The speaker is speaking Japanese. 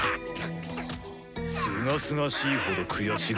すがすがしいほど悔しがるな。